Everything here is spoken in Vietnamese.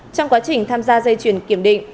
trong quá trình tham gia dây chuyển kiểm định